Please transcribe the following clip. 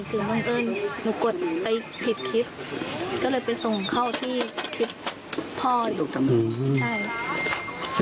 ถึงบังเอิญหนูกดไปผิดคลิปก็เลยไปส่งเขาที่คลิปพ่อ